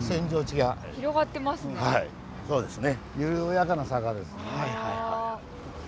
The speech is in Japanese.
はいそうですね。